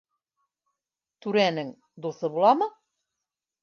Түрәнең... дуҫы буламы?